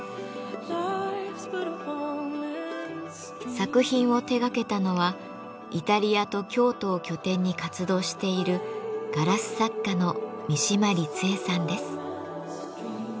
作品を手がけたのはイタリアと京都を拠点に活動しているガラス作家の三嶋りつ惠さんです。